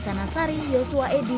karena sudah lebih hidung star fifty swim